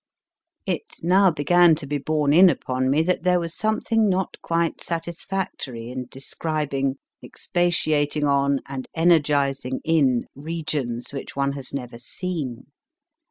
It now began to be borne in upon me that there was something not quite satisfactory in describing, expatiating on, and energising in, regions which one has never seen.